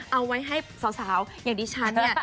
เอาไว้ให้สาวอย่างดิฉันเนี่ย